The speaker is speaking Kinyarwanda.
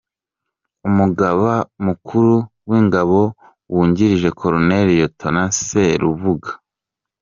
Umugaba mukuru w’ingabo wungirije: Colonel Laurent Serubuga